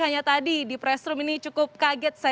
hanya tadi di press room ini cukup kaget